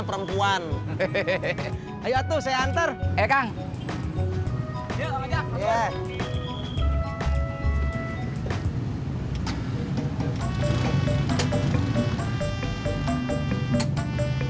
perempuan hehehe ayo tuh saya antar ekang ya